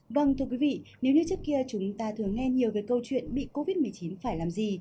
vâng thưa quý vị nếu như trước kia chúng ta thường nghe nhiều về câu chuyện bị covid một mươi chín phải làm gì